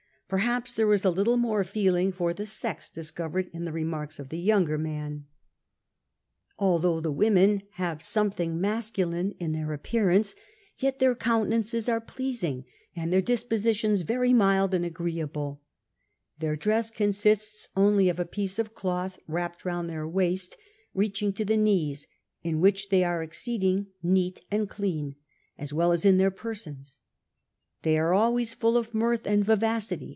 Perhaps there is a little more feeling for the sex discovered in tiie remarks of the younger man. X THE FRIENDLY ISLANDERS laS Although the women have something masculine in their appearance, yet their countenances arc pleasing, and their dispositions very mild and agreeable; their dress consists only of a piece of cloth wrapped round their waist, reaching to the knees, in which they are exceeding neat and clean, as well as ill tlieir persons : they are always full of iiiirtli and vivacity